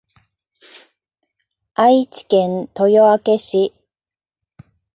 愛知県豊明市